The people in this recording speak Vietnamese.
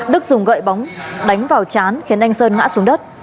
đức dùng gậy bóng đánh vào chán khiến anh sơn ngã xuống đất